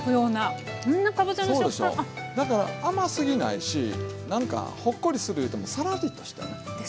だから甘すぎないしなんかホッコリするいうてもサラリとしてね。